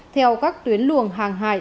theo các tuyến luồng hàng hải